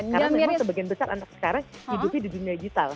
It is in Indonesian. karena memang sebagian besar anak sekarang hidupnya di dunia digital